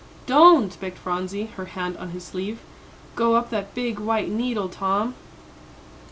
"Don't." begged Phronsie, her hand on his sleeve, "go up that big white needle, Tom."